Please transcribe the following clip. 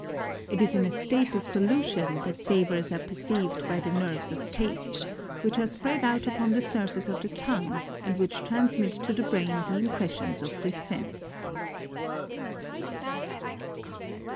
It is in a state of solu tion, that savors are perceived by the nerves of taste, which are spread out upon the surface of the tongue, and which transmit to the brain the impressions of this sense.